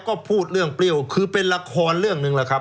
ก็พูดเรื่องเปรี้ยวคือเป็นละครเรื่องหนึ่งแหละครับ